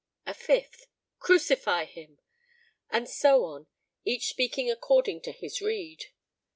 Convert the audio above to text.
A fifth, "Crucify him;" and so on, each speaking according to his rede.